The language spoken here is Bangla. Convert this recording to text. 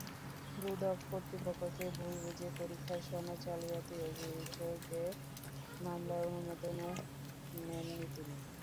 দুদক কর্তৃপক্ষকে ভুল বুঝিয়ে পরীক্ষার সনদ জালিয়াতির অভিযোগে মামলার অনুমোদনও নেন তিনি।